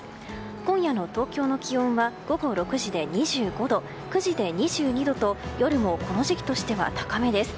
今夜の東京の気温は午後６時で２５度９時で２２度と夜もこの時期としては高めです。